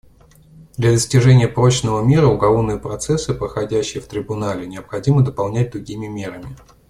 Для достижения прочного мира уголовные процессы, проходящие в Трибунале, необходимо дополнять другими мерами.